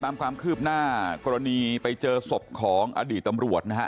ตามความคืบหน้ากรณีไปเจอศพของอดีตตำรวจนะฮะ